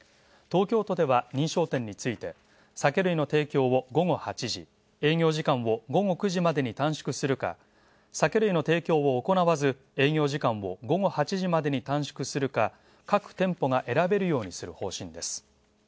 東京都では、認証店について酒類の提供を午後８時、営業時間を午後９時までに短縮するか酒類提供を行わず、営業時間を午後８時までに短縮するか各店舗が選べるようにする方針です。